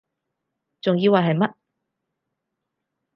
仲以為係乜????